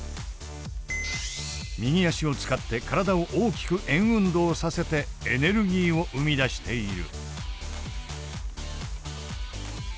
右足を使って体を大きく円運動させてエネルギーを生み出している。